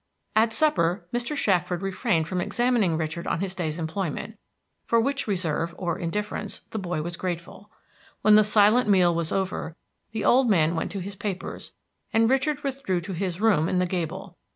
At supper Mr. Shackford refrained from examining Richard on his day's employment, for which reserve, or indifference, the boy was grateful. When the silent meal was over the old man went to his papers, and Richard withdrew to his room in the gable.